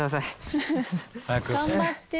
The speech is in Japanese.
「頑張って」